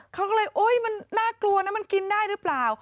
เขาก็เลยโอ๊ยมันน่ากลัวนะมันกินได้หรือเปล่า